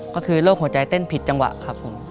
ก็คือโรคหัวใจเต้นผิดจังหวะครับผม